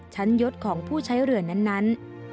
ยศของผู้ใช้เรือนั้น